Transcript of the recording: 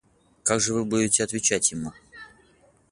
Как же вы будете отвечать ему?